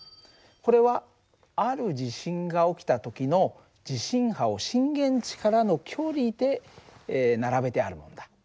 これはある地震が起きた時の地震波を震源地からの距離で並べてあるんだ。